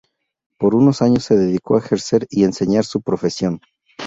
Por unos años se dedicó a ejercer y enseñar su profesión.